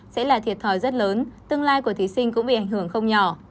sẽ là thiệt thòi rất lớn tương lai của thí sinh cũng bị ảnh hưởng không nhỏ